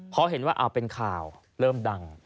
พอเห็นว่าเป็นข่าวเริ่มดัง